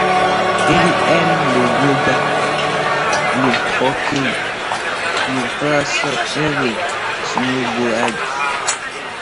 Il aime le yoga, le hockey sur glace et le snowboard.